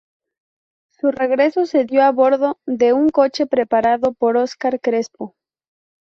Su regreso se dio a bordo de un coche preparado por Oscar Crespo.